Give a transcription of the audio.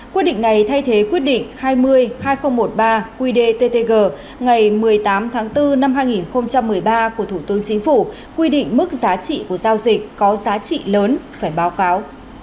quy định này thay thế quyết định hai mươi hai nghìn một mươi ba quy đề ttg ngày một mươi tám bốn hai nghìn một mươi ba của thủ tướng chính phủ quy định mức giá trị của giao dịch có giá trị lớn phải báo cáo